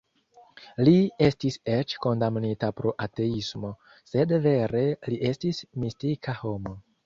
Li estis eĉ "kondamnita pro ateismo", sed vere li estis mistika homo.